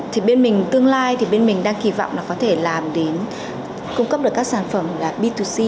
thì bên mình tương lai thì bên mình đang kì vọng là có thể làm đến cung cấp được các sản phẩm là b hai c